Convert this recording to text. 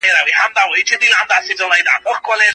عرضه او تقاضا باید په بازار کي تعامل وکړي.